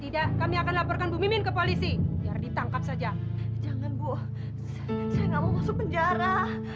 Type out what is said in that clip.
tidak kami akan laporkan bumi ke polisi ditangkap saja jangan bu saya mau masuk penjara